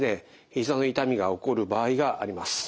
ひざの痛みが起こる場合があります。